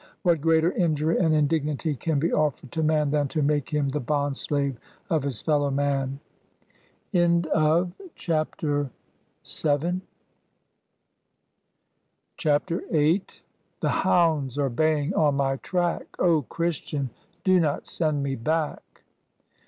What greater injury and indignity can be offered to man, than to make him the bond slave of his fellow man? AN AMERICAN BONDMAN. 29 CHAPTER VIII. Si The hounds are baying on my track, O, Christian ! do not send me back